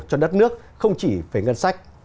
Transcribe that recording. cho đất nước không chỉ về ngân sách